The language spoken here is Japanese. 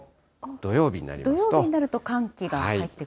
土曜日になると寒気が入ってくる？